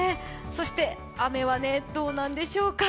そして雨はどうなんでしょうか。